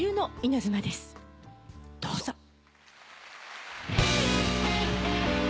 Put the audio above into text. どうぞ。